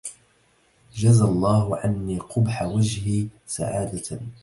جزى الله عني قبح وجهي سعادة